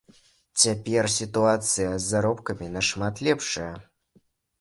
Цяпер сітуацыя з заробкамі нашмат лепшая.